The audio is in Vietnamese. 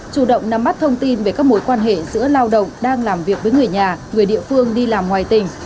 chủ động nắm bắt thông tin về các mối quan hệ giữa lao động đang làm việc với người nhà người địa phương đi làm ngoài tỉnh